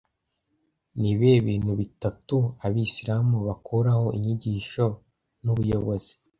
Ni ibihe bintu bitatu Abisilamu bakuraho inyigisho n’ubuyobozi